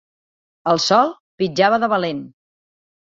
El sol pitjava de valent.